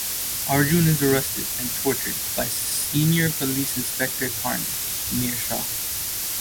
Arjun is arrested and tortured by Senior Police Inspector Karna (Neer Shah).